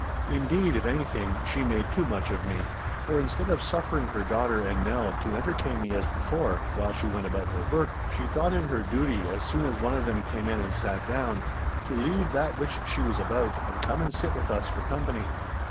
Indeed, if anything, she made too much of me, for, instead of suffering her daughter and Nell to entertain me as before, while she went about her work, she thought it her duty as soon as one of them came in and sat down, to leave that which she was about, and come and sit with us for company.